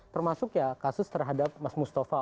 termasuk ya kasus terhadap mas mustafa